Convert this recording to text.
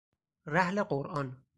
رحل قرآن